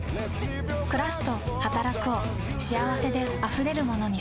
「くらす」と「はたらく」を幸せであふれるものにするために。